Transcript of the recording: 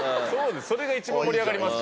それが一番盛り上がります。